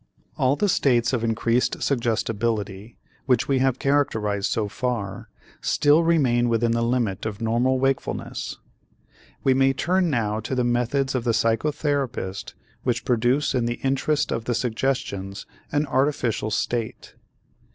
All the states of increased suggestibility which we have characterized so far still remain within the limit of normal wakefulness. We may turn now to the methods of the psychotherapist which produce in the interest of the suggestions an artificial state.